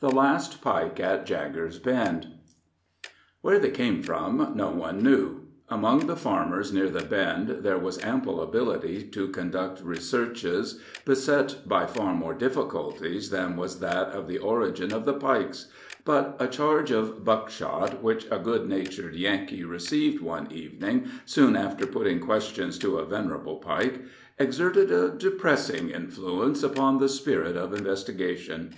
THE LAST PIKE AT JAGGER'S BEND Where they came from no one knew. Among the farmers near the Bend there was ample ability to conduct researches beset by far more difficulties than was that of the origin of the Pikes; but a charge of buckshot which a good natured Yankee received one evening, soon after putting questions to a venerable Pike, exerted a depressing influence upon the spirit of investigation.